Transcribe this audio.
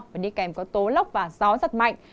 và đi kèm có tố lốc và gió giật mạnh